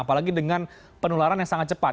apalagi dengan penularan yang sangat cepat